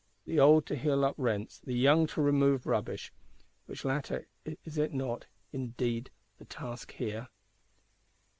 The old to heal up rents; the young to remove rubbish:—which latter, is it not, indeed, the task here?